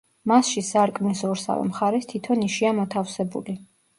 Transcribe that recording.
მასში სარკმლის ორსავე მხარეს თითო ნიშია მოთავსებული.